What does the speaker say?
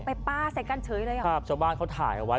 ไปป้าเสร็จกันเฉยเลยหรอชาวบ้านเขาถ่ายเอาไว้